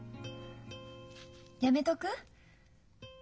やめとく？